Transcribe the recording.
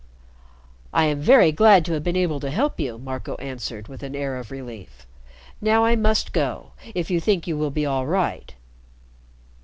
"I am very glad to have been able to help you," Marco answered, with an air of relief. "Now I must go, if you think you will be all right."